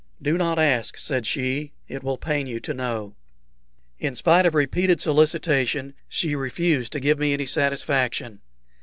"Do not ask," said she. "It will pain you to know." In spite of repeated solicitation she refused to give me any satisfaction.